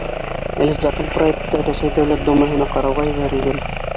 Әле закон проекты Рәсәй Дәүләт Думаһына ҡарауға ебәрелгән.